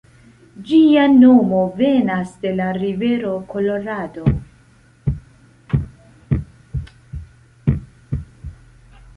Ĝia nomo venas de la rivero Kolorado.